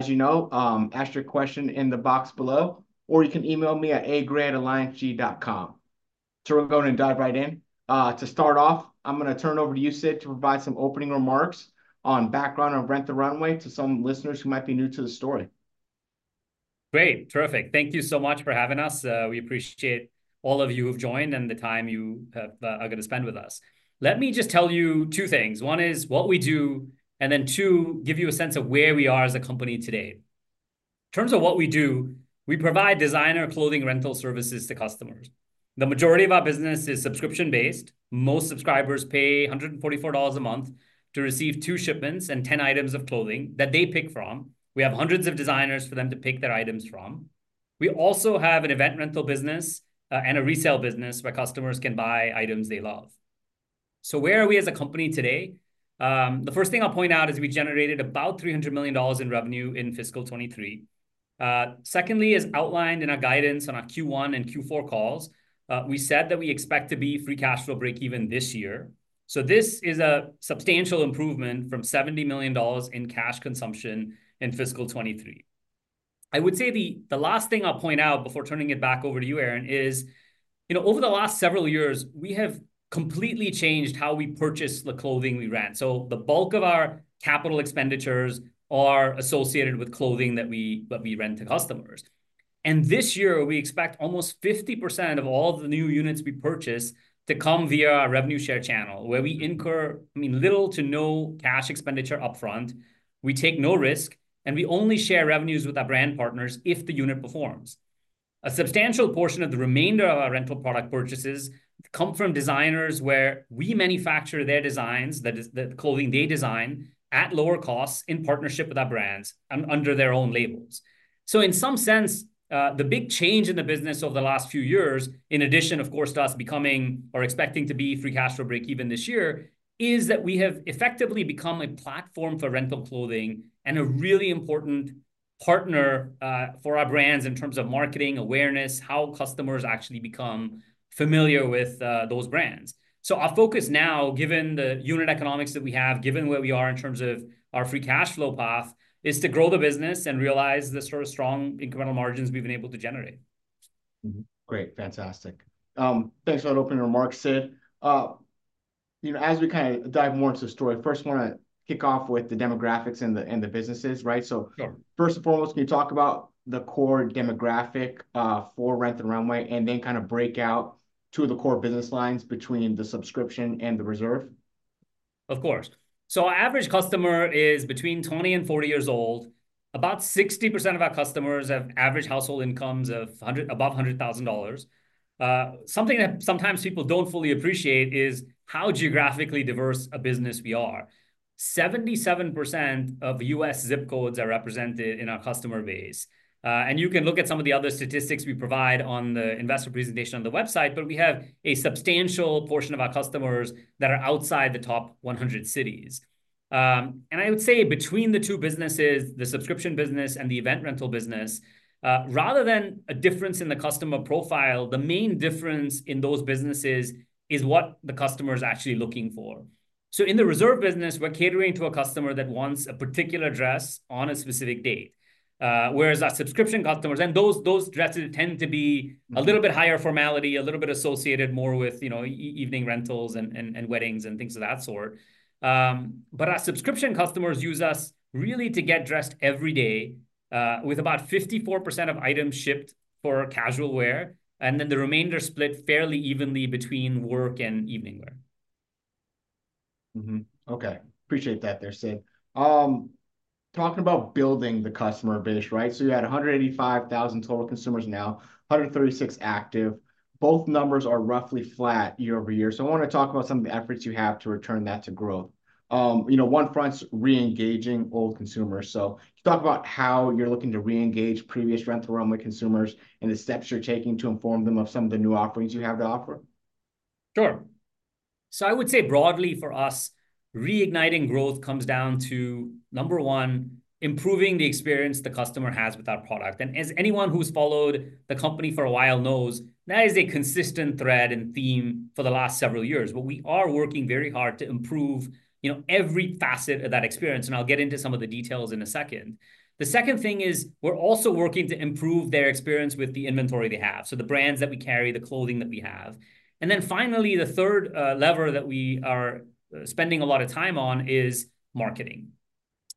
As you know, ask your question in the box below, or you can email me at agrey@allianceg.com. So we'll go ahead and dive right in. To start off, I'm gonna turn it over to you, Sid, to provide some opening remarks on background on Rent the Runway to some listeners who might be new to the story. Great. Terrific. Thank you so much for having us. We appreciate all of you who've joined and the time you have, are gonna spend with us. Let me just tell you two things. One is what we do, and then two, give you a sense of where we are as a company today. In terms of what we do, we provide designer clothing rental services to customers. The majority of our business is subscription-based. Most subscribers pay $144 a month to receive two shipments and 10 items of clothing that they pick from. We have hundreds of designers for them to pick their items from. We also have an event rental business, and a resale business, where customers can buy items they love. So where are we as a company today? The first thing I'll point out is we generated about $300 million in revenue in fiscal 2023. Secondly, as outlined in our guidance on our Q1 and Q4 calls, we said that we expect to be free cash flow breakeven this year. So this is a substantial improvement from $70 million in cash consumption in fiscal 2023. I would say the last thing I'll point out before turning it back over to you, Aaron, is, you know, over the last several years, we have completely changed how we purchase the clothing we rent. So the bulk of our capital expenditures are associated with clothing that we rent to customers. This year, we expect almost 50% of all the new units we purchase to come via our revenue share channel, where we incur, I mean, little to no cash expenditure upfront, we take no risk, and we only share revenues with our brand partners if the unit performs. A substantial portion of the remainder of our rental product purchases come from designers where we manufacture their designs, that is, the clothing they design, at lower costs in partnership with our brands and under their own labels. So in some sense, the big change in the business over the last few years, in addition, of course, to us becoming or expecting to be free cash flow breakeven this year, is that we have effectively become a platform for rental clothing and a really important partner, for our brands in terms of marketing, awareness, how customers actually become familiar with, those brands. So our focus now, given the unit economics that we have, given where we are in terms of our free cash flow path, is to grow the business and realize the sort of strong incremental margins we've been able to generate. Mm-hmm. Great. Fantastic. Thanks for that opening remarks, Sid. You know, as we kinda dive more into the story, first, I wanna kick off with the demographics and the, and the businesses, right? Sure. First and foremost, can you talk about the core demographic for Rent the Runway, and then kind of break out two of the core business lines between the subscription and the Reserve? Of course. So our average customer is between 20 and 40 years old. About 60% of our customers have average household incomes above $100,000. Something that sometimes people don't fully appreciate is how geographically diverse a business we are. 77% of U.S. zip codes are represented in our customer base. And you can look at some of the other statistics we provide on the investor presentation on the website, but we have a substantial portion of our customers that are outside the top 100 cities. And I would say between the two businesses, the subscription business and the event rental business, rather than a difference in the customer profile, the main difference in those businesses is what the customer is actually looking for. So in the Reserve business, we're catering to a customer that wants a particular dress on a specific date, whereas our subscription customers—and those, those dresses tend to be- Mm... a little bit higher formality, a little bit associated more with, you know, evening rentals and weddings, and things of that sort. But our subscription customers use us really to get dressed every day, with about 54% of items shipped for casual wear, and then the remainder split fairly evenly between work and evening wear. Mm-hmm. Okay. Appreciate that there, Sid. Talking about building the customer base, right? So you had 185,000 total consumers now, 136 active. Both numbers are roughly flat year-over-year. So I wanna talk about some of the efforts you have to return that to growth. You know, one front's re-engaging old consumers. So just talk about how you're looking to re-engage previous Rent the Runway consumers, and the steps you're taking to inform them of some of the new offerings you have to offer. Sure. So I would say broadly for us, reigniting growth comes down to, number one, improving the experience the customer has with our product. And as anyone who's followed the company for a while knows, that is a consistent thread and theme for the last several years. But we are working very hard to improve, you know, every facet of that experience, and I'll get into some of the details in a second. The second thing is, we're also working to improve their experience with the inventory they have, so the brands that we carry, the clothing that we have. And then finally, the third lever that we are spending a lot of time on is marketing.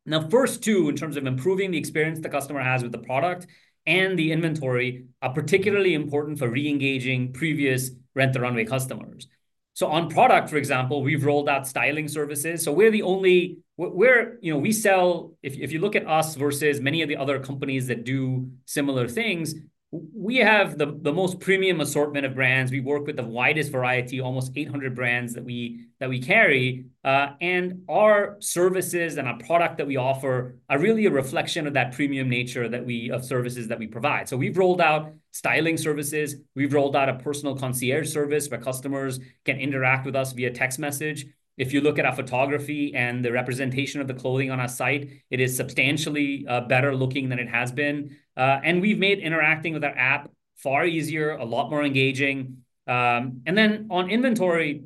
Now, first two, in terms of improving the experience the customer has with the product and the inventory, are particularly important for re-engaging previous Rent the Runway customers. So on product, for example, we've rolled out styling services. So we're the only you know, we sell, if, if you look at us versus many of the other companies that do similar things, we have the most premium assortment of brands. We work with the widest variety, almost 800 brands that we carry. And our services and our product that we offer are really a reflection of that premium nature of services that we provide. So we've rolled out styling services. We've rolled out a personal concierge service, where customers can interact with us via text message. If you look at our photography and the representation of the clothing on our site, it is substantially better looking than it has been. And we've made interacting with our app far easier, a lot more engaging. And then on inventory,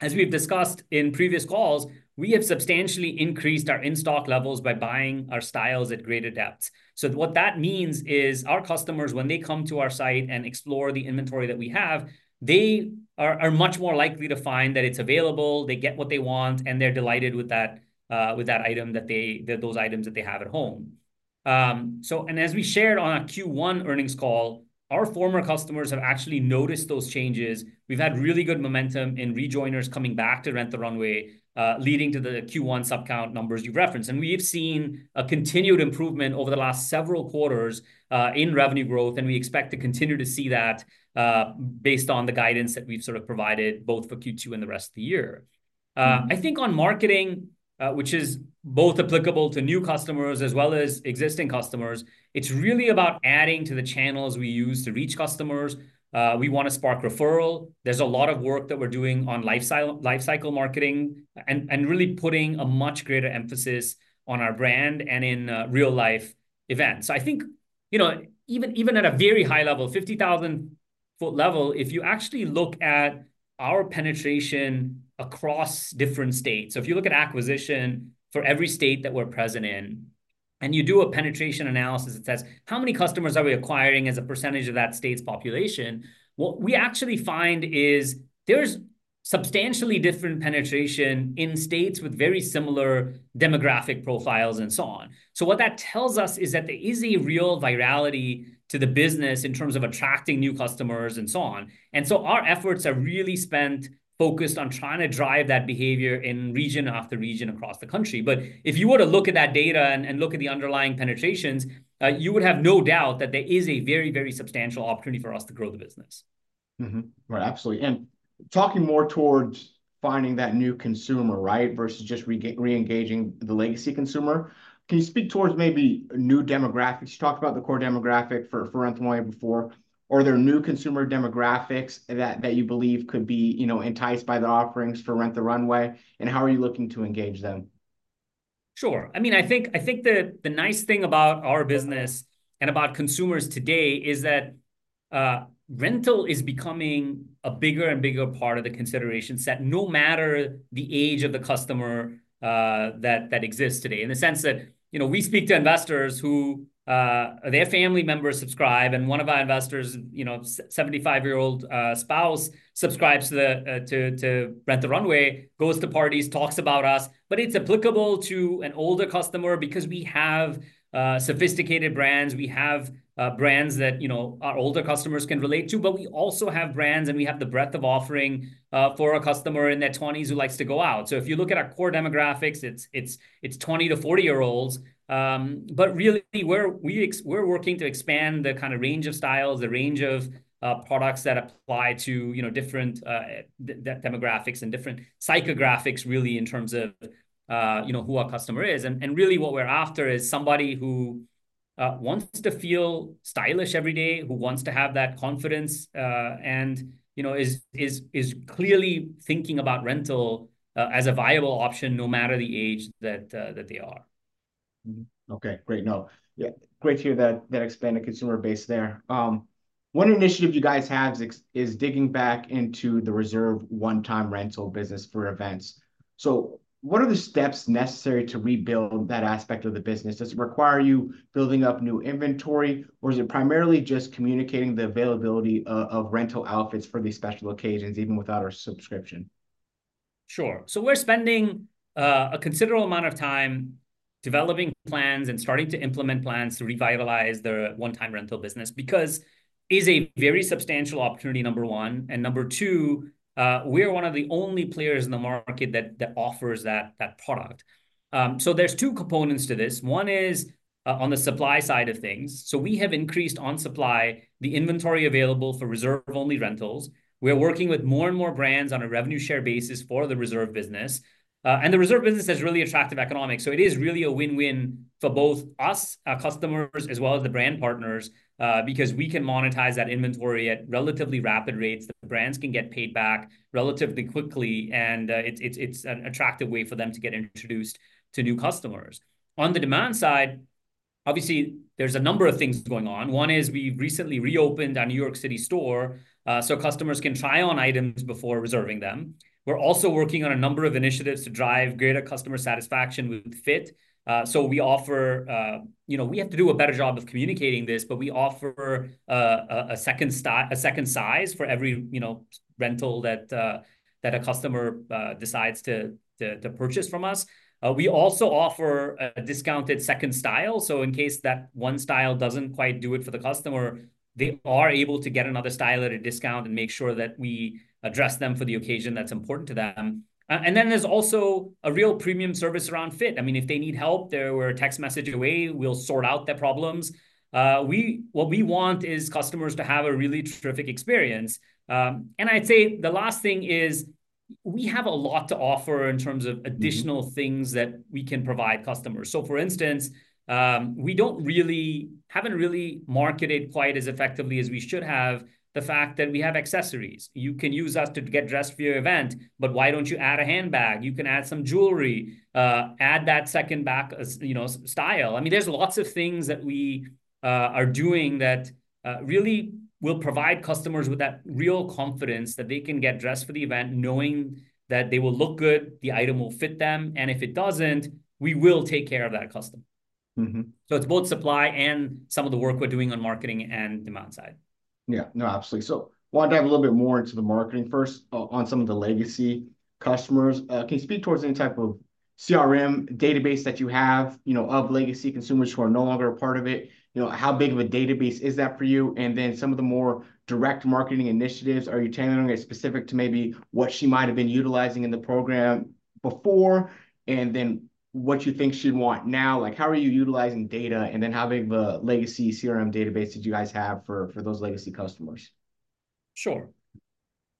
as we've discussed in previous calls, we have substantially increased our in-stock levels by buying our styles at greater depths. So what that means is, our customers, when they come to our site and explore the inventory that we have, they are much more likely to find that it's available, they get what they want, and they're delighted with that item, those items that they have at home. And as we shared on our Q1 earnings call, our former customers have actually noticed those changes. We've had really good momentum in rejoiners coming back to Rent the Runway, leading to the Q1 subaccount numbers you've referenced. We have seen a continued improvement over the last several quarters, in revenue growth, and we expect to continue to see that, based on the guidance that we've sort of provided, both for Q2 and the rest of the year. I think on marketing, which is both applicable to new customers as well as existing customers, it's really about adding to the channels we use to reach customers. We wanna spark referral. There's a lot of work that we're doing on lifecycle marketing, and really putting a much greater emphasis on our brand and in real life events. So I think, you know, even at a very high level, 50,000-foot level, if you actually look at our penetration across different states... So if you look at acquisition for every state that we're present in, and you do a penetration analysis that says, "How many customers are we acquiring as a percentage of that state's population?" What we actually find is, there's substantially different penetration in states with very similar demographic profiles, and so on. So what that tells us is that there is a real virality to the business in terms of attracting new customers, and so on. And so our efforts are really spent focused on trying to drive that behavior in region after region across the country. But if you were to look at that data and look at the underlying penetrations, you would have no doubt that there is a very, very substantial opportunity for us to grow the business. Mm-hmm. Right, absolutely. And talking more towards finding that new consumer, right? Versus just re-engaging the legacy consumer. Can you speak towards maybe new demographics? You talked about the core demographic for Rent the Runway before. Are there new consumer demographics that you believe could be, you know, enticed by the offerings for Rent the Runway, and how are you looking to engage them? Sure. I mean, I think, I think the nice thing about our business and about consumers today is that rental is becoming a bigger and bigger part of the consideration set, no matter the age of the customer that exists today. In the sense that, you know, we speak to investors who their family members subscribe, and one of our investors, you know, 75-year-old spouse subscribes to the to Rent the Runway, goes to parties, talks about us. But it's applicable to an older customer because we have sophisticated brands, we have brands that, you know, our older customers can relate to, but we also have brands and we have the breadth of offering for a customer in their 20s who likes to go out. So if you look at our core demographics, it's 20- to 40-year-olds. But really, we're working to expand the kind of range of styles, the range of products that apply to, you know, different demographics and different psychographics, really, in terms of, you know, who our customer is. And really, what we're after is somebody who wants to feel stylish every day, who wants to have that confidence, and, you know, is clearly thinking about rental as a viable option, no matter the age that they are. Mm-hmm. Okay, great. No, yeah, great to hear that, that expanded consumer base there. One initiative you guys have is digging back into the Reserve one-time rental business for events. So what are the steps necessary to rebuild that aspect of the business? Does it require you building up new inventory, or is it primarily just communicating the availability of rental outfits for these special occasions, even without a subscription? Sure. So we're spending a considerable amount of time developing plans and starting to implement plans to revitalize the one-time rental business, because is a very substantial opportunity, number one. And number two, we're one of the only players in the market that offers that product. So there's two components to this. One is, on the supply side of things. So we have increased on supply, the inventory available for Reserve-only rentals. We're working with more and more brands on a revenue share basis for the Reserve business. And the Reserve business has really attractive economics, so it is really a win-win for both us, our customers, as well as the brand partners. Because we can monetize that inventory at relatively rapid rates, the brands can get paid back relatively quickly, and it's an attractive way for them to get introduced to new customers. On the demand side, obviously there's a number of things going on. One is, we've recently reopened our New York City store, so customers can try on items before reserving them. We're also working on a number of initiatives to drive greater customer satisfaction with fit. So we offer. You know, we have to do a better job of communicating this, but we offer a second size for every rental that a customer decides to purchase from us. We also offer a discounted second style, so in case that one style doesn't quite do it for the customer, they are able to get another style at a discount and make sure that we address them for the occasion that's important to them. And then there's also a real premium service around fit. I mean, if they need help, they're, we're a text message away, we'll sort out their problems. What we want is customers to have a really terrific experience. And I'd say the last thing is, we have a lot to offer in terms of- Mm-hmm... additional things that we can provide customers. So for instance, we don't really, haven't really marketed quite as effectively as we should have, the fact that we have accessories. You can use us to get dressed for your event, but why don't you add a handbag? You can add some jewelry. Add that second bag, as you know, style. I mean, there's lots of things that we are doing that really will provide customers with that real confidence that they can get dressed for the event, knowing that they will look good, the item will fit them, and if it doesn't, we will take care of that customer. Mm-hmm. It's both supply and some of the work we're doing on marketing and demand side. ... Yeah, no, absolutely. So I wanna dive a little bit more into the marketing first, on some of the legacy customers. Can you speak towards any type of CRM database that you have, you know, of legacy consumers who are no longer a part of it? You know, how big of a database is that for you? And then some of the more direct marketing initiatives, are you tailoring it specific to maybe what she might have been utilizing in the program before, and then what you think she'd want now? Like, how are you utilizing data, and then how big of a legacy CRM database did you guys have for those legacy customers? Sure.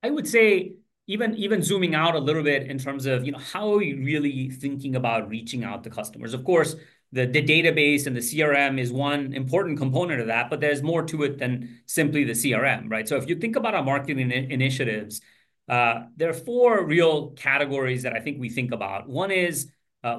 I would say, even zooming out a little bit in terms of, you know, how are you really thinking about reaching out to customers? Of course, the database and the CRM is one important component of that, but there's more to it than simply the CRM, right? So if you think about our marketing initiatives, there are four real categories that I think we think about. One is,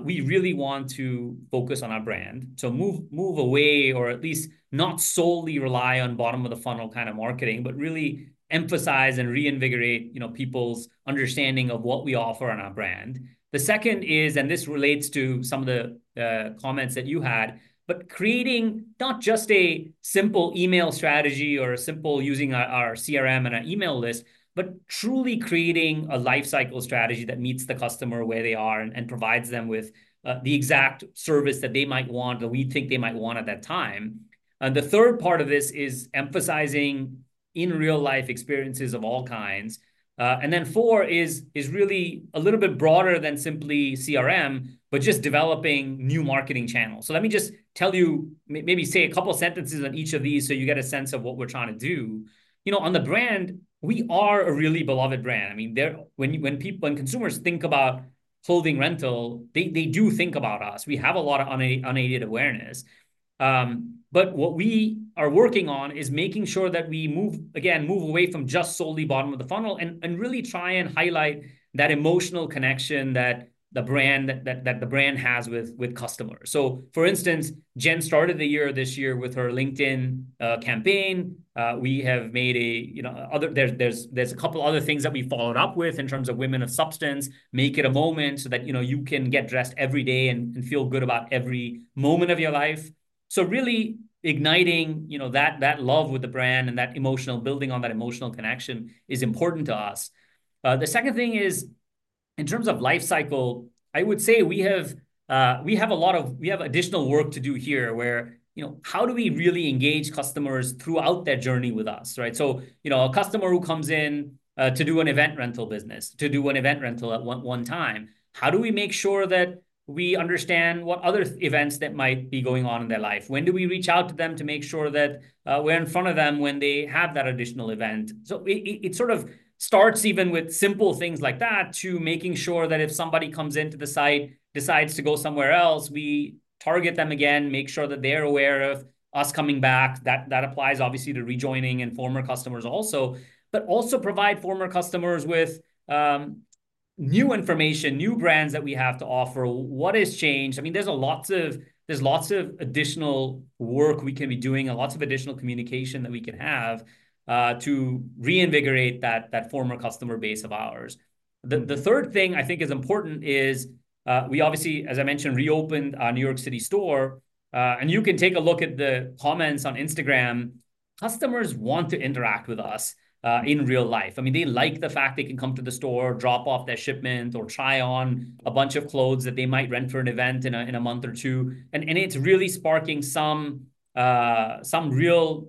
we really want to focus on our brand. So move away, or at least not solely rely on bottom-of-the-funnel kind of marketing, but really emphasize and reinvigorate, you know, people's understanding of what we offer in our brand. The second is, and this relates to some of the comments that you had, but creating not just a simple email strategy or a simple using our CRM and our email list, but truly creating a life cycle strategy that meets the customer where they are, and provides them with the exact service that they might want, or we think they might want at that time. And the third part of this is emphasizing in real life experiences of all kinds. And then four is really a little bit broader than simply CRM, but just developing new marketing channels. So let me just tell you, maybe say a couple of sentences on each of these so you get a sense of what we're trying to do. You know, on the brand, we are a really beloved brand. I mean, when people, when consumers think about clothing rental, they do think about us. We have a lot of unaided awareness. But what we are working on is making sure that we move, again, move away from just solely bottom of the funnel, and really try and highlight that emotional connection that the brand has with customers. So for instance, Jen started the year, this year, with her LinkedIn campaign. We have made a, you know, other... There's a couple other things that we followed up with in terms of Women of Substance. Make It a Moment so that, you know, you can get dressed every day and feel good about every moment of your life. So really igniting, you know, that, that love with the brand and that emotional, building on that emotional connection is important to us. The second thing is, in terms of life cycle, I would say we have additional work to do here, where, you know, how do we really engage customers throughout their journey with us, right? So, you know, a customer who comes in to do an event rental business, to do an event rental at one time, how do we make sure that we understand what other events that might be going on in their life? When do we reach out to them to make sure that we're in front of them when they have that additional event? So it sort of starts even with simple things like that, to making sure that if somebody comes into the site, decides to go somewhere else, we target them again, make sure that they're aware of us coming back. That applies obviously to rejoining and former customers also. But also provide former customers with new information, new brands that we have to offer. What has changed? I mean, there's lots of additional work we can be doing, and lots of additional communication that we can have to reinvigorate that former customer base of ours. Mm. The third thing I think is important is, we obviously, as I mentioned, reopened our New York City store. And you can take a look at the comments on Instagram. Customers want to interact with us in real life. I mean, they like the fact they can come to the store, drop off their shipment, or try on a bunch of clothes that they might rent for an event in a month or two. And it's really sparking some real,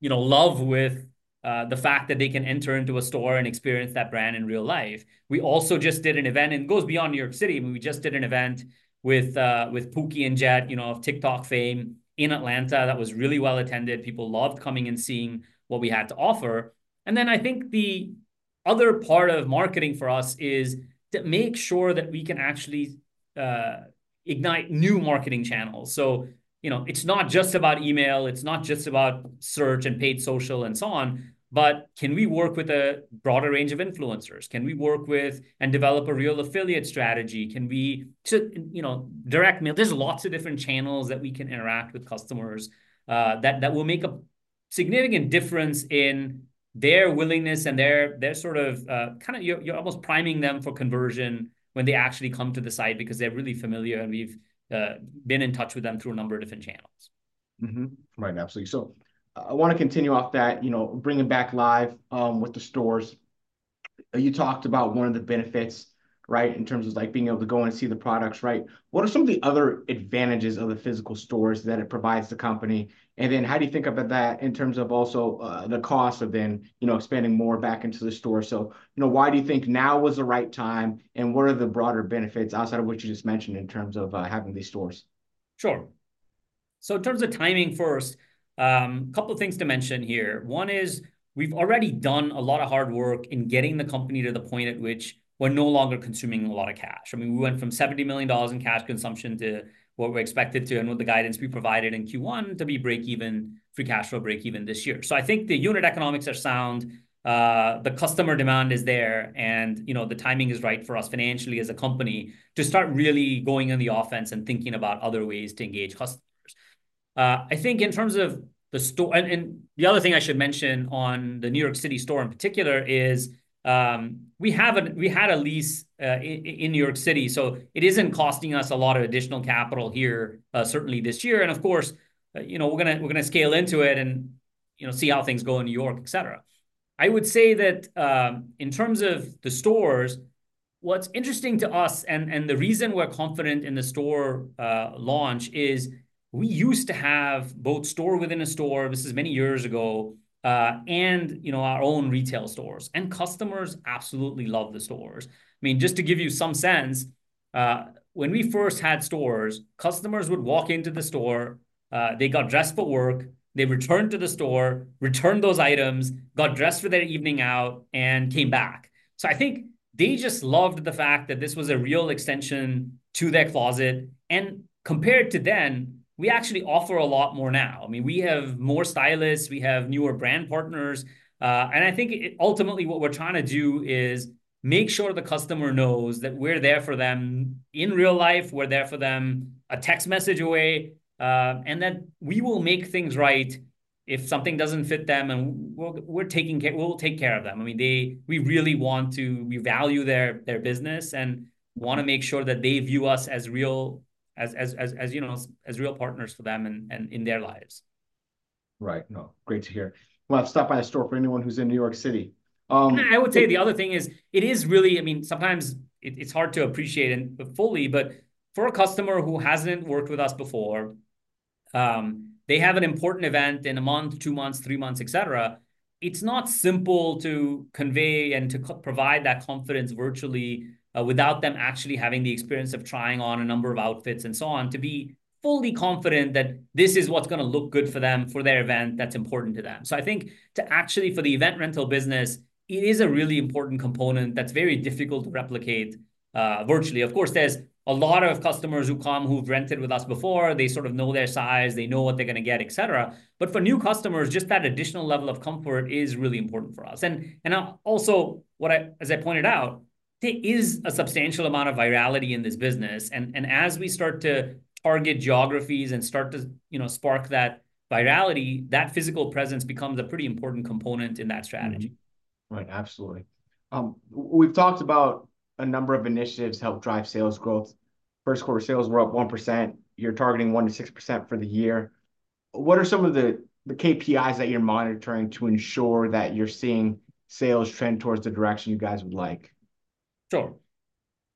you know, love with the fact that they can enter into a store and experience that brand in real life. We also just did an event, and it goes beyond New York City. I mean, we just did an event with Pookie and Jett, you know, of TikTok fame, in Atlanta, that was really well-attended. People loved coming and seeing what we had to offer. Then I think the other part of marketing for us is to make sure that we can actually ignite new marketing channels. So, you know, it's not just about email, it's not just about search and paid social, and so on, but can we work with a broader range of influencers? Can we work with and develop a real affiliate strategy? You know, direct mail. There's lots of different channels that we can interact with customers, that will make a significant difference in their willingness and their sort of kind of you're almost priming them for conversion when they actually come to the site because they're really familiar, and we've been in touch with them through a number of different channels. Mm-hmm. Right. Absolutely. So I wanna continue off that, you know, bringing back live with the stores. You talked about one of the benefits, right? In terms of, like, being able to go and see the products, right. What are some of the other advantages of the physical stores that it provides the company? And then how do you think about that in terms of also, the cost of then, you know, expanding more back into the store? So, you know, why do you think now was the right time, and what are the broader benefits outside of what you just mentioned in terms of having these stores? Sure. So in terms of timing first, couple things to mention here. One is, we've already done a lot of hard work in getting the company to the point at which we're no longer consuming a lot of cash. I mean, we went from $70 million in cash consumption to what we're expected to, and with the guidance we provided in Q1, to be breakeven, free cash flow breakeven this year. So I think the unit economics are sound, the customer demand is there, and, you know, the timing is right for us financially as a company to start really going on the offense and thinking about other ways to engage customers. I think in terms of the store- And, and the other thing I should mention on the New York City store in particular is, we had a lease in New York City, so it isn't costing us a lot of additional capital here, certainly this year. And of course, you know, we're gonna, we're gonna scale into it and, you know, see how things go in New York, et cetera. I would say that, in terms of the stores- what's interesting to us, and, and the reason we're confident in the store launch, is we used to have both store-within-a-store, this is many years ago, and, you know, our own retail stores. And customers absolutely loved the stores. I mean, just to give you some sense, when we first had stores, customers would walk into the store, they got dressed for work, they returned to the store, returned those items, got dressed for their evening out, and came back. So I think they just loved the fact that this was a real extension to their closet, and compared to then, we actually offer a lot more now. I mean, we have more stylists, we have newer brand partners. Ultimately, what we're trying to do is make sure the customer knows that we're there for them in real life, we're there for them a text message away, and that we will make things right if something doesn't fit them, and we're taking care... We'll take care of them. I mean, we really want to... We value their business, and wanna make sure that they view us as real, you know, as real partners for them and in their lives. Right. No, great to hear. Well, have to stop by the store for anyone who's in New York City. I would say the other thing is, it is really... I mean, sometimes, it, it's hard to appreciate it fully, but for a customer who hasn't worked with us before, they have an important event in a month, two months, three months, et cetera, it's not simple to convey and to provide that confidence virtually, without them actually having the experience of trying on a number of outfits, and so on, to be fully confident that this is what's gonna look good for them for their event that's important to them. So I think to actually, for the event rental business, it is a really important component that's very difficult to replicate, virtually. Of course, there's a lot of customers who come who've rented with us before. They sort of know their size, they know what they're gonna get, et cetera. But for new customers, just that additional level of comfort is really important for us. And also, as I pointed out, there is a substantial amount of virality in this business, and as we start to target geographies and start to, you know, spark that virality, that physical presence becomes a pretty important component in that strategy. Mm-hmm. Right. Absolutely. We've talked about a number of initiatives to help drive sales growth. First quarter sales were up 1%. You're targeting 1%-6% for the year. What are some of the KPIs that you're monitoring to ensure that you're seeing sales trend towards the direction you guys would like? Sure.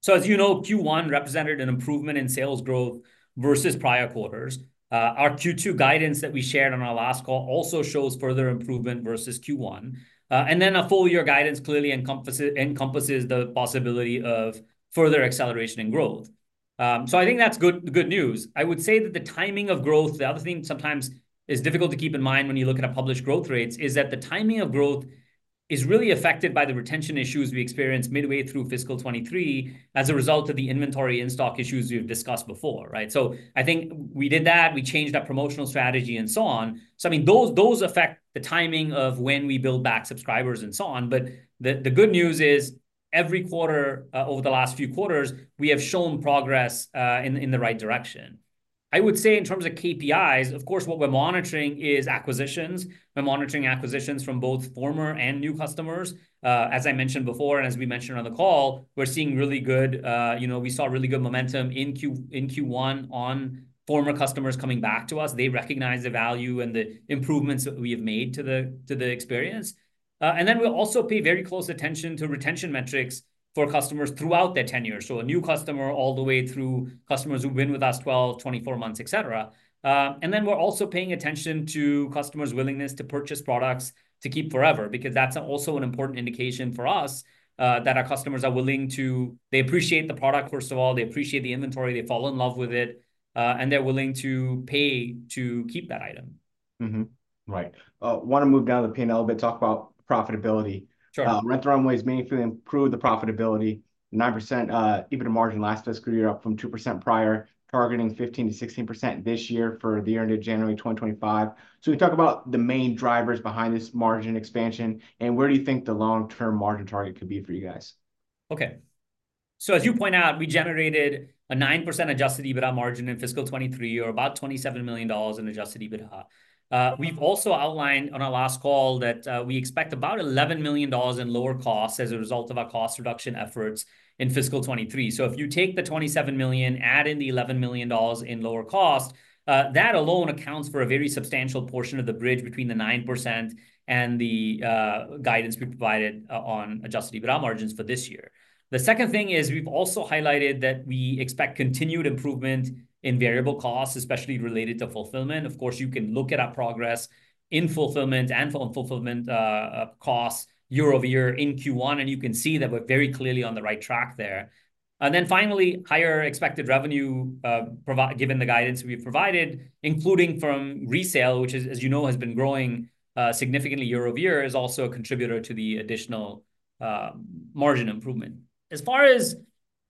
So as you know, Q1 represented an improvement in sales growth versus prior quarters. Our Q2 guidance that we shared on our last call also shows further improvement versus Q1. And then our full year guidance clearly encompasses the possibility of further acceleration and growth. So I think that's good, good news. I would say that the timing of growth, the other thing sometimes is difficult to keep in mind when you look at our published growth rates, is that the timing of growth is really affected by the retention issues we experienced midway through fiscal 2023, as a result of the inventory and stock issues we've discussed before, right? So I think we did that, we changed our promotional strategy, and so on. So I mean, those, those affect the timing of when we build back subscribers, and so on. But the good news is, every quarter, over the last few quarters, we have shown progress, in the right direction. I would say in terms of KPIs, of course, what we're monitoring is acquisitions. We're monitoring acquisitions from both former and new customers. As I mentioned before, and as we mentioned on the call, we're seeing really good... You know, we saw really good momentum in Q1 on former customers coming back to us. They recognize the value and the improvements that we have made to the experience. And then we'll also pay very close attention to retention metrics for customers throughout their tenure, so a new customer all the way through customers who've been with us 12, 24 months, et cetera. And then we're also paying attention to customers' willingness to purchase products to keep forever, because that's also an important indication for us, that our customers are willing to... They appreciate the product, first of all, they appreciate the inventory, they fall in love with it, and they're willing to pay to keep that item. Mm-hmm. Right. Wanna move down to the P&L a bit, talk about profitability. Sure. Rent the Runway has meaningfully improved the profitability. 9% EBITDA margin last fiscal year, up from 2% prior, targeting 15%-16% this year for the year ending January 2025. So can you talk about the main drivers behind this margin expansion, and where do you think the long-term margin target could be for you guys? Okay. So as you point out, we generated a 9% Adjusted EBITDA margin in fiscal 2023, or about $27 million in Adjusted EBITDA. We've also outlined on our last call that we expect about $11 million in lower costs as a result of our cost reduction efforts in fiscal 2023. So if you take the $27 million, add in the $11 million in lower cost, that alone accounts for a very substantial portion of the bridge between the 9% and the guidance we provided on Adjusted EBITDA margins for this year. The second thing is, we've also highlighted that we expect continued improvement in variable costs, especially related to fulfillment. Of course, you can look at our progress in fulfillment and on fulfillment costs year-over-year in Q1, and you can see that we're very clearly on the right track there. And then finally, higher expected revenue, given the guidance we've provided, including from resale, which is, as you know, has been growing significantly year-over-year, is also a contributor to the additional margin improvement. As far as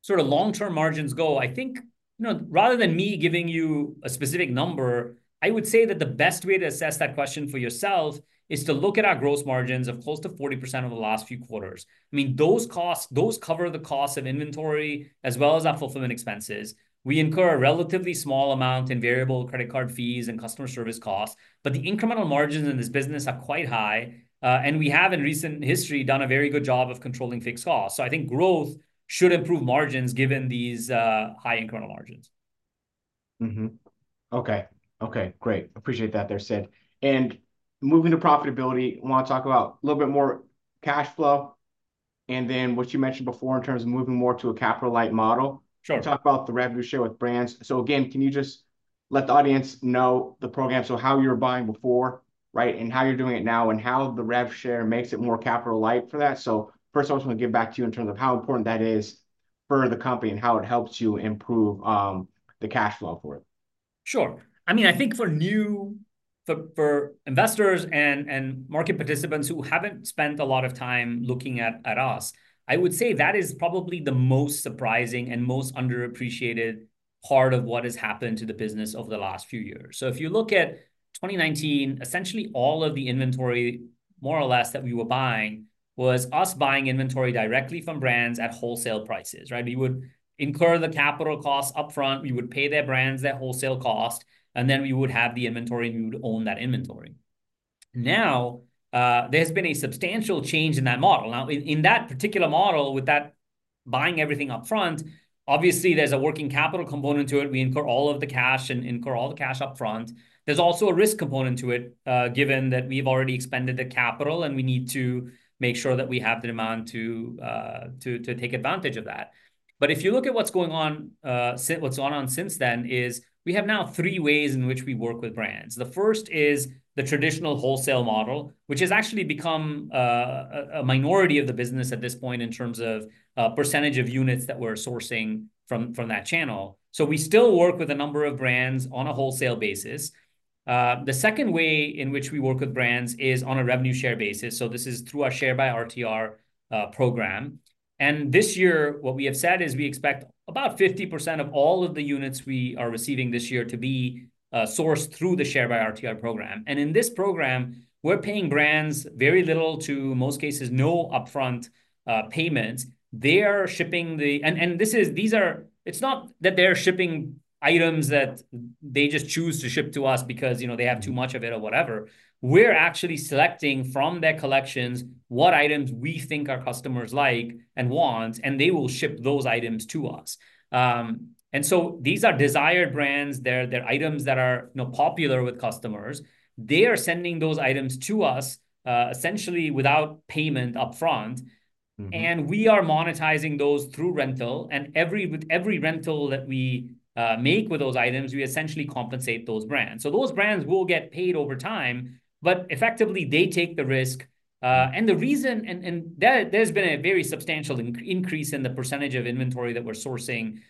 sort of long-term margins go, I think, you know, rather than me giving you a specific number, I would say that the best way to assess that question for yourself is to look at our gross margins of close to 40% over the last few quarters. I mean, those costs, those cover the cost of inventory, as well as our fulfillment expenses. We incur a relatively small amount in variable credit card fees and customer service costs, but the incremental margins in this business are quite high. And we have, in recent history, done a very good job of controlling fixed costs. So I think growth should improve margins, given these, high incremental margins.... Mm-hmm. Okay, okay, great. Appreciate that there, Sid. And moving to profitability, I wanna talk about a little bit more cash flow, and then what you mentioned before in terms of moving more to a capital-light model. Sure. Talk about the revenue share with brands. So again, can you just let the audience know the program, so how you were buying before, right, and how you're doing it now, and how the rev share makes it more capital-light for that? So first, I just wanna get back to you in terms of how important that is for the company, and how it helps you improve, the cash flow for it. Sure. I mean, I think for new investors and market participants who haven't spent a lot of time looking at us, I would say that is probably the most surprising and most underappreciated part of what has happened to the business over the last few years. So if you look at 2019, essentially all of the inventory, more or less, that we were buying was us buying inventory directly from brands at wholesale prices, right? We would incur the capital costs upfront, we would pay the brands their wholesale cost, and then we would have the inventory, and we would own that inventory. Now, there's been a substantial change in that model. Now, in that particular model, with that buying everything upfront, obviously there's a working capital component to it. We incur all of the cash and incur all the cash upfront. There's also a risk component to it, given that we've already expended the capital, and we need to make sure that we have the demand to take advantage of that. But if you look at what's going on, what's gone on since then, is we have now three ways in which we work with brands. The first is the traditional wholesale model, which has actually become a minority of the business at this point in terms of percentage of units that we're sourcing from that channel. So we still work with a number of brands on a wholesale basis. The second way in which we work with brands is on a revenue share basis, so this is through our Share by RTR program. This year, what we have said is, we expect about 50% of all of the units we are receiving this year to be sourced through the Share by RTR program. And in this program, we're paying brands very little, to most cases, no upfront payment. And this is, these are- it's not that they're shipping items that they just choose to ship to us because, you know, they have too much of it or whatever. We're actually selecting from their collections what items we think our customers like and want, and they will ship those items to us. And so these are desired brands. They're items that are, you know, popular with customers. They are sending those items to us, essentially without payment upfront- Mm-hmm... and we are monetizing those through rental. And with every rental that we make with those items, we essentially compensate those brands. So those brands will get paid over time, but effectively, they take the risk. And the reason, and there's been a very substantial increase in the percentage of inventory that we're sourcing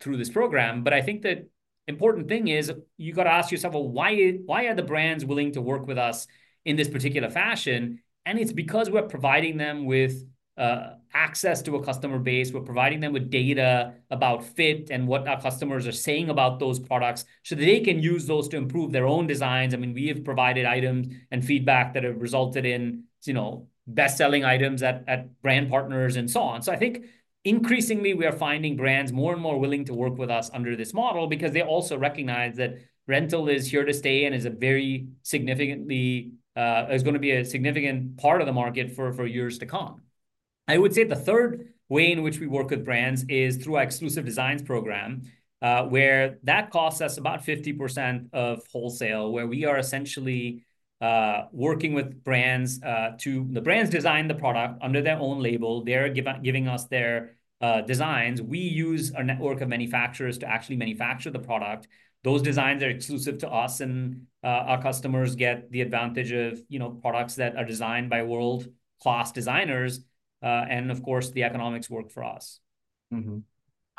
through this program. But I think the important thing is, you've gotta ask yourself, well, why, why are the brands willing to work with us in this particular fashion? And it's because we're providing them with access to a customer base. We're providing them with data about fit and what our customers are saying about those products, so that they can use those to improve their own designs. I mean, we have provided items and feedback that have resulted in, you know, best-selling items at, at brand partners and so on. So I think increasingly, we are finding brands more and more willing to work with us under this model because they also recognize that rental is here to stay and is a very significantly, it's gonna be a significant part of the market for, for years to come. I would say the third way in which we work with brands is through our exclusive designs program, where that costs us about 50% of wholesale, where we are essentially working with brands, the brands design the product under their own label. They're giving us their designs. We use a network of manufacturers to actually manufacture the product. Those designs are exclusive to us, and our customers get the advantage of, you know, products that are designed by world-class designers. Of course, the economics work for us. Mm-hmm.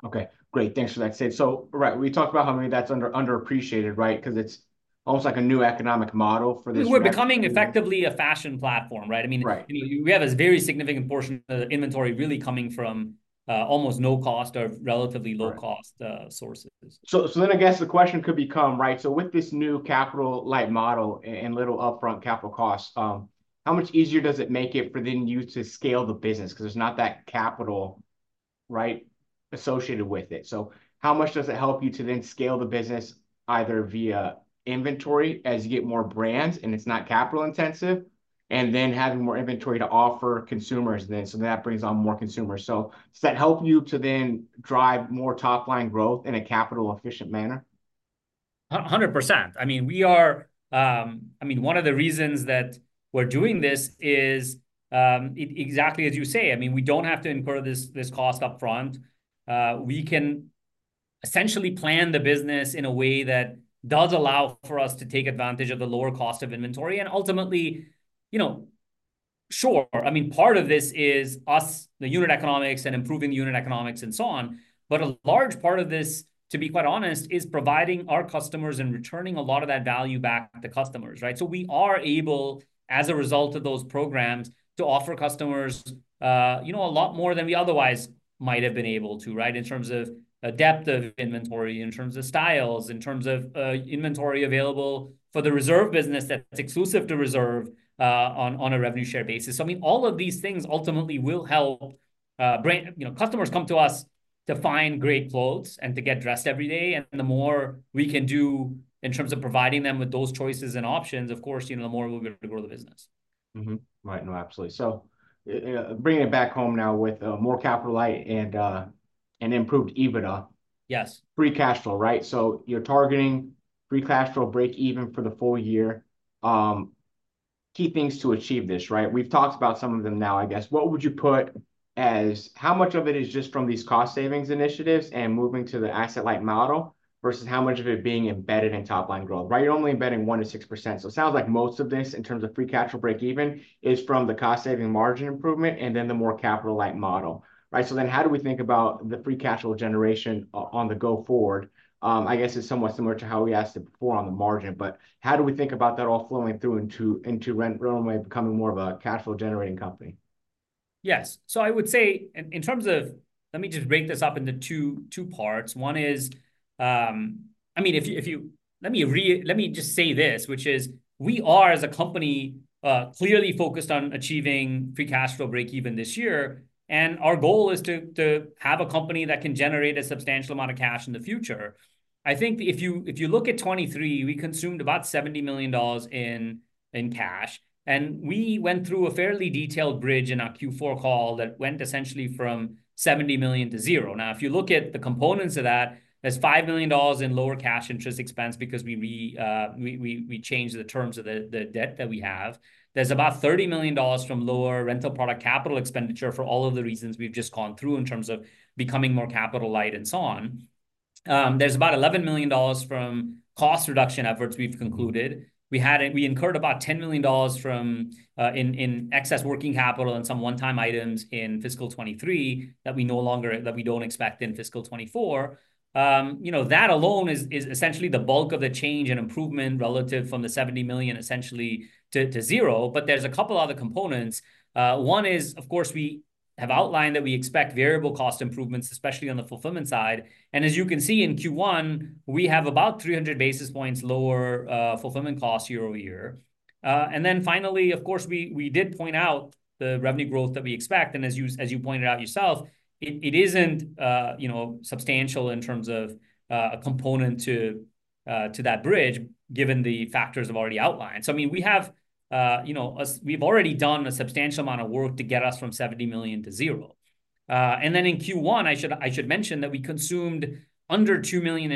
Okay, great. Thanks for that, Sid. So right, we talked about how, I mean, that's underappreciated, right? 'Cause it's almost like a new economic model for this- We, we're becoming effectively a fashion platform, right? I mean- Right... we have a very significant portion of the inventory really coming from, almost no cost or relatively low cost- Right... sources. So then I guess the question could become, right, so with this new capital-light model and little upfront capital cost, how much easier does it make it for you to then scale the business? 'Cause there's not that capital, right, associated with it. So how much does it help you to then scale the business, either via inventory, as you get more brands and it's not capital-intensive, and then having more inventory to offer consumers then, so that brings on more consumers? So does that help you to then drive more top-line growth in a capital-efficient manner? Hundred percent. I mean, we are. I mean, one of the reasons that we're doing this is exactly as you say. I mean, we don't have to incur this, this cost upfront. We can essentially plan the business in a way that does allow for us to take advantage of the lower cost of inventory, and ultimately, you know, sure, I mean, part of this is us, the unit economics, and improving the unit economics, and so on. But a large part of this, to be quite honest, is providing our customers and returning a lot of that value back to customers, right? So we are able, as a result of those programs, to offer customers, you know, a lot more than we otherwise might have been able to, right, in terms of, depth of inventory, in terms of styles, in terms of, inventory available for the Reserve business that's exclusive to Reserve, on, on a revenue share basis. I mean, all of these things ultimately will help, you know, customers come to us to find great clothes and to get dressed every day, and the more we can do in terms of providing them with those choices and options, of course, you know, the more we'll be able to grow the business.... Mm-hmm. Right. No, absolutely. So, bringing it back home now with more capital light and improved EBITDA. Yes. Free cash flow, right? So you're targeting free cash flow breakeven for the full year. Key things to achieve this, right? We've talked about some of them now, I guess. What would you put as... How much of it is just from these cost savings initiatives and moving to the asset-light model, versus how much of it being embedded in top-line growth, right? You're only embedding 1%-6%, so it sounds like most of this, in terms of free cash flow breakeven, is from the cost-saving margin improvement, and then the more capital-light model. Right, so then how do we think about the free cash flow generation on the go forward? I guess it's somewhat similar to how we asked it before on the margin, but how do we think about that all flowing through into, into Rent the Runway becoming more of a cash flow generating company? Yes. So I would say, in terms of... Let me just break this up into two parts. One is, I mean, if you-- Let me just say this, which is, we are, as a company, clearly focused on achieving free cash flow breakeven this year, and our goal is to have a company that can generate a substantial amount of cash in the future. I think if you look at 2023, we consumed about $70 million in cash, and we went through a fairly detailed bridge in our Q4 call that went essentially from $70 million to zero. Now, if you look at the components of that, there's $5 million in lower cash interest expense because we changed the terms of the debt that we have. There's about $30 million from lower rental product capital expenditure, for all of the reasons we've just gone through, in terms of becoming more capital light, and so on. There's about $11 million from cost reduction efforts we've concluded. We had- we incurred about $10 million from in excess working capital and some one-time items in fiscal 2023, that we no longer, that we don't expect in fiscal 2024. You know, that alone is, is essentially the bulk of the change and improvement relative from the $70 million essentially to, to zero. But there's a couple other components. One is, of course, we have outlined that we expect variable cost improvements, especially on the fulfillment side. And as you can see in Q1, we have about 300 basis points lower, fulfillment costs year-over-year. And then finally, of course, we did point out the revenue growth that we expect, and as you pointed out yourself, it isn't, you know, substantial in terms of, a component to, to that bridge, given the factors I've already outlined. So I mean, we have, you know, we've already done a substantial amount of work to get us from $70 million to zero. And then in Q1, I should mention that we consumed under $2 million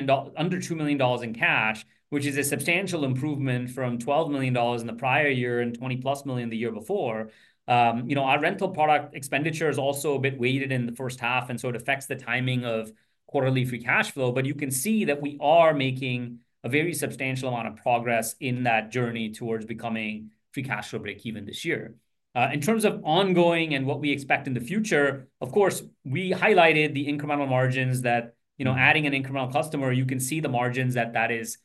in cash, which is a substantial improvement from $12 million in the prior year, and $20+ million the year before. You know, our rental product expenditure is also a bit weighted in the first half, and so it affects the timing of quarterly free cash flow. But you can see that we are making a very substantial amount of progress in that journey towards becoming free cash flow breakeven this year. In terms of ongoing and what we expect in the future, of course, we highlighted the incremental margins that, you know, adding an incremental customer, you can see the margins that that is,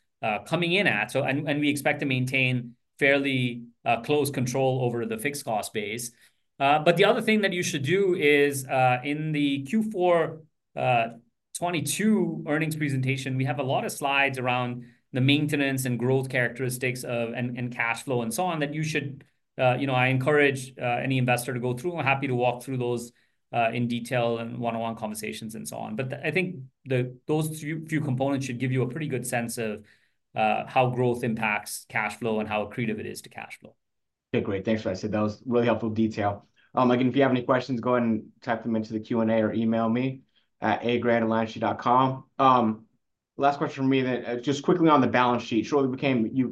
coming in at. So, and, and we expect to maintain fairly, close control over the fixed cost base. But the other thing that you should do is, in the Q4 2022 earnings presentation, we have a lot of slides around the maintenance and growth characteristics of, and, and cash flow, and so on, that you should, you know... I encourage, any investor to go through. I'm happy to walk through those, in detail in one-on-one conversations, and so on. But I think those two components should give you a pretty good sense of how growth impacts cash flow, and how accretive it is to cash flow. Okay, great. Thanks for that, Sid. That was really helpful detail. Again, if you have any questions, go ahead and type them into the Q&A or email me at agrande@alliancegp.com. Last question from me then. Just quickly on the balance sheet, shortly before you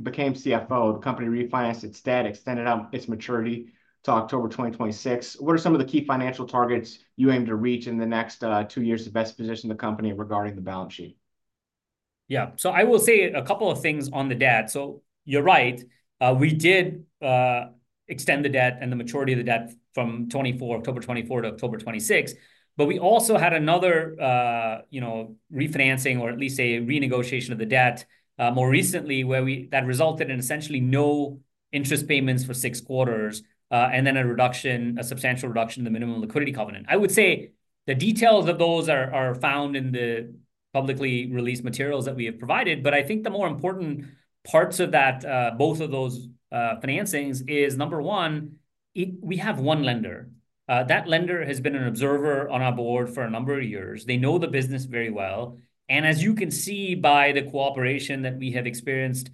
became CFO, the company refinanced its debt, extended out its maturity to October 2026. What are some of the key financial targets you aim to reach in the next two years to best position the company regarding the balance sheet? Yeah. So I will say a couple of things on the debt. So you're right, we did extend the debt, and the maturity of the debt from October 2024 to October 2026. But we also had another, you know, refinancing, or at least a renegotiation of the debt, more recently, where that resulted in essentially no interest payments for 6 quarters, and then a reduction, a substantial reduction in the minimum liquidity covenant. I would say the details of those are found in the publicly released materials that we have provided, but I think the more important parts of that, both of those financings, is, number one, we have one lender. That lender has been an observer on our board for a number of years. They know the business very well, and as you can see by the cooperation that we have experienced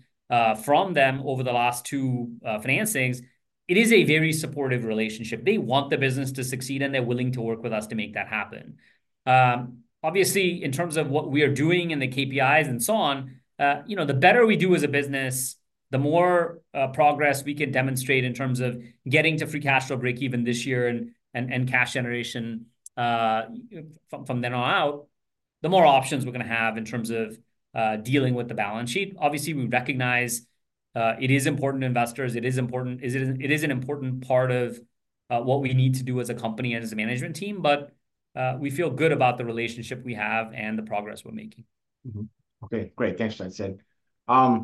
from them over the last two financings, it is a very supportive relationship. They want the business to succeed, and they're willing to work with us to make that happen. Obviously, in terms of what we are doing in the KPIs and so on, you know, the better we do as a business, the more progress we can demonstrate in terms of getting to free cash flow breakeven this year, and cash generation from then on out, the more options we're gonna have in terms of dealing with the balance sheet. Obviously, we recognize it is important to investors. It is important... It is, it is an important part of what we need to do as a company and as a management team, but we feel good about the relationship we have and the progress we're making. Mm-hmm. Okay, great. Thanks for that, Sid. I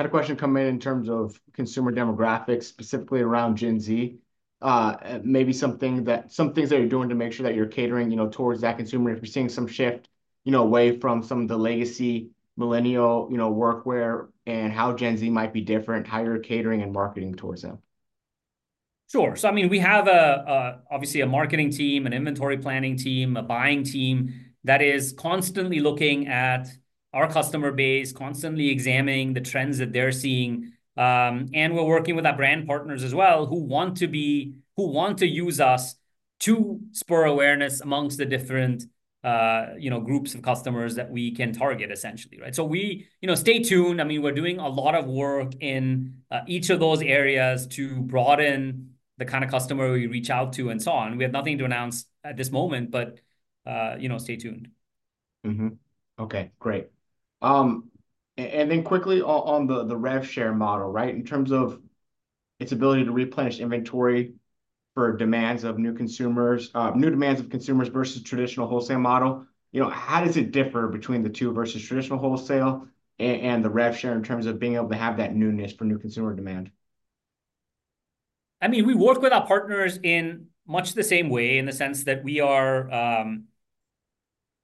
had a question come in, in terms of consumer demographics, specifically around Gen Z. Maybe something that, some things that you're doing to make sure that you're catering, you know, towards that consumer, if you're seeing some shift, you know, away from some of the legacy millennial, you know, work wear, and how Gen Z might be different, how you're catering and marketing towards them? ... Sure. So, I mean, we have, obviously, a marketing team, an inventory planning team, a buying team that is constantly looking at our customer base, constantly examining the trends that they're seeing. And we're working with our brand partners as well, who want to use us to spur awareness amongst the different, you know, groups of customers that we can target, essentially, right? So we... You know, stay tuned. I mean, we're doing a lot of work in, each of those areas to broaden the kind of customer we reach out to, and so on. We have nothing to announce at this moment, but, you know, stay tuned. Mm-hmm. Okay, great. And then quickly on the, the rev share model, right, in terms of its ability to replenish inventory for demands of new consumers, new demands of consumers versus traditional wholesale model, you know, how does it differ between the two versus traditional wholesale and the rev share in terms of being able to have that newness for new consumer demand? I mean, we work with our partners in much the same way, in the sense that we are.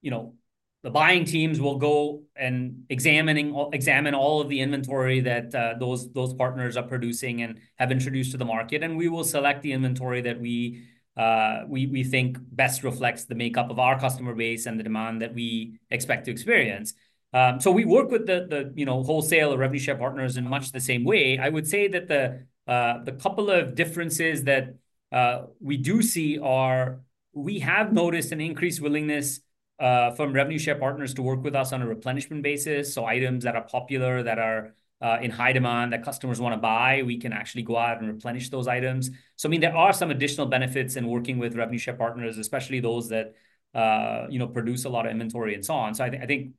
You know, the buying teams will go and examine all of the inventory that those partners are producing and have introduced to the market, and we will select the inventory that we think best reflects the makeup of our customer base and the demand that we expect to experience. So we work with the you know, wholesale or revenue share partners in much the same way. I would say that the couple of differences that we do see are, we have noticed an increased willingness from revenue share partners to work with us on a replenishment basis. So items that are popular, that are in high demand, that customers wanna buy, we can actually go out and replenish those items. So, I mean, there are some additional benefits in working with revenue share partners, especially those that, you know, produce a lot of inventory, and so on. So I think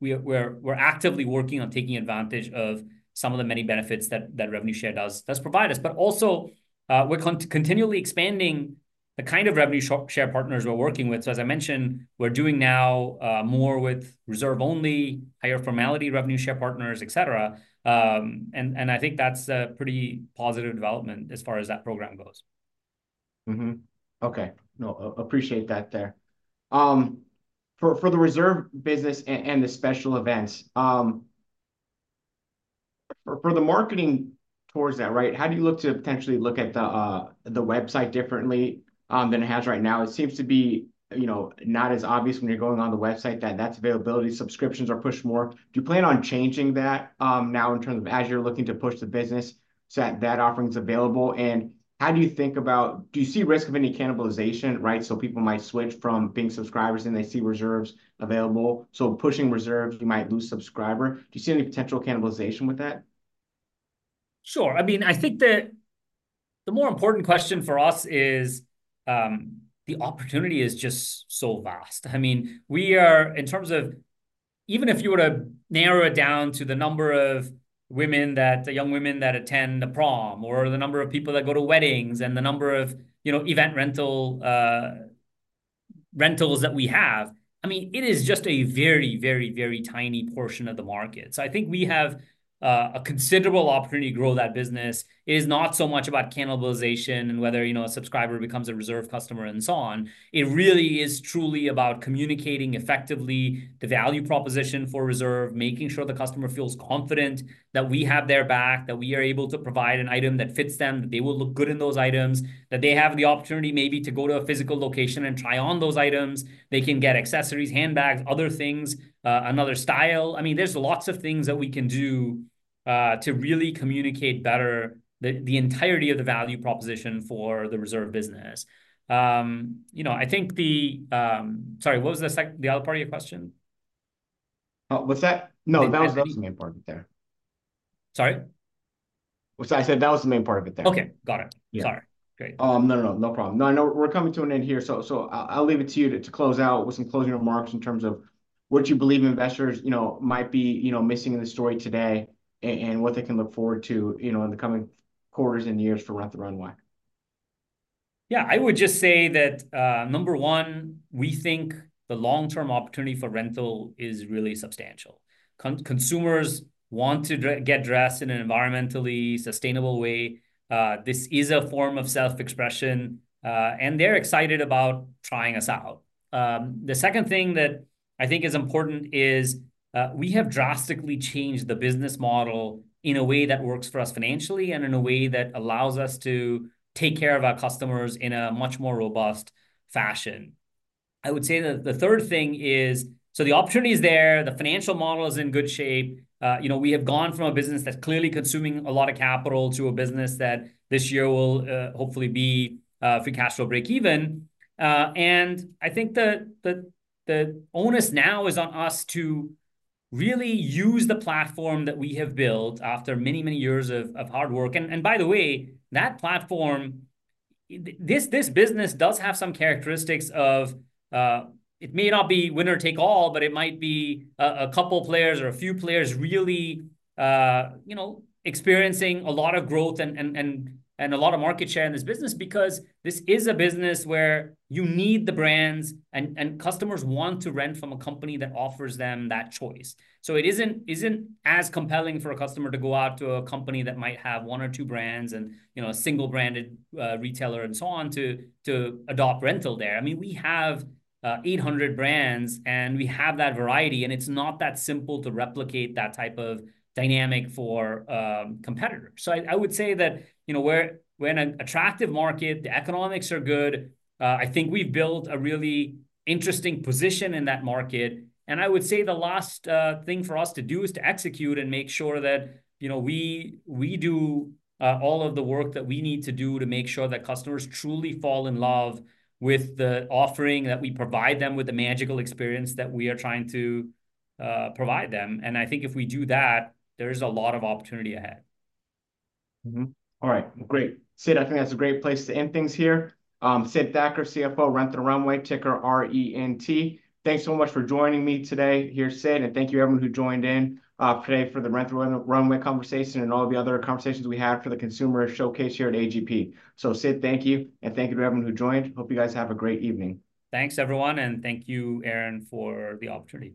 we're actively working on taking advantage of some of the many benefits that revenue share does provide us. But also, we're continually expanding the kind of revenue share partners we're working with. So as I mentioned, we're doing now more with Reserve-only, higher-formality revenue share partners, et cetera. And I think that's a pretty positive development as far as that program goes. Mm-hmm. Okay. No, I appreciate that there. For the Reserve business and the special events, for the marketing towards that, right, how do you look to potentially look at the website differently than it has right now? It seems to be, you know, not as obvious when you're going on the website that that's availability, subscriptions are pushed more. Do you plan on changing that now in terms of as you're looking to push the business, so that that offering's available? And how do you think about... Do you see risk of any cannibalization, right? So people might switch from being subscribers, and they see Reserves available, so pushing Reserves, you might lose subscriber. Do you see any potential cannibalization with that? Sure. I mean, I think the more important question for us is, the opportunity is just so vast. I mean, we are, in terms of... Even if you were to narrow it down to the number of women that, young women that attend the prom or the number of people that go to weddings and the number of, you know, event rental rentals that we have, I mean, it is just a very, very, very tiny portion of the market. So I think we have a considerable opportunity to grow that business. It is not so much about cannibalization and whether, you know, a subscriber becomes a Reserve customer, and so on. It really is truly about communicating effectively the value proposition for Reserve, making sure the customer feels confident that we have their back, that we are able to provide an item that fits them, that they will look good in those items, that they have the opportunity maybe to go to a physical location and try on those items. They can get accessories, handbags, other things, another style. I mean, there's lots of things that we can do to really communicate better the entirety of the value proposition for the Reserve business. You know, I think the... Sorry, what was the second part of your question? No, that was the main part there. Sorry? I said that was the main part of it there. Okay, got it. Yeah. Sorry. Great. No, no, no, no problem. No, I know we're coming to an end here, so, I'll leave it to you to close out with some closing remarks in terms of what you believe investors, you know, might be, you know, missing in the story today, and what they can look forward to, you know, in the coming quarters and years for Rent the Runway. Yeah, I would just say that, number one, we think the long-term opportunity for rental is really substantial. Consumers want to get dressed in an environmentally sustainable way. This is a form of self-expression, and they're excited about trying us out. The second thing that I think is important is, we have drastically changed the business model in a way that works for us financially and in a way that allows us to take care of our customers in a much more robust fashion. I would say that the third thing is, so the opportunity is there, the financial model is in good shape. You know, we have gone from a business that's clearly consuming a lot of capital to a business that, this year, will hopefully be free cash flow break even. And I think the onus now is on us to really use the platform that we have built after many, many years of hard work. And by the way, that platform, this business does have some characteristics of it may not be winner take all, but it might be a couple players or a few players really, you know, experiencing a lot of growth and a lot of market share in this business. Because this is a business where you need the brands, and customers want to rent from a company that offers them that choice. So it isn't as compelling for a customer to go out to a company that might have one or two brands and, you know, a single-branded retailer and so on, to adopt rental there. I mean, we have 800 brands, and we have that variety, and it's not that simple to replicate that type of dynamic for competitors. So I would say that, you know, we're in an attractive market. The economics are good. I think we've built a really interesting position in that market. And I would say the last thing for us to do is to execute and make sure that, you know, we do all of the work that we need to do to make sure that customers truly fall in love with the offering, that we provide them with the magical experience that we are trying to provide them. And I think if we do that, there is a lot of opportunity ahead. Mm-hmm. All right, great. Sid, I think that's a great place to end things here. Sid Thacker, CFO, Rent the Runway, ticker RENT. Thanks so much for joining me today here, Sid, and thank you everyone who joined in today for the Rent the Runway conversation and all the other conversations we had for the Consumer Showcase here at AGP. So Sid, thank you, and thank you to everyone who joined. Hope you guys have a great evening. Thanks, everyone, and thank you, Aaron, for the opportunity.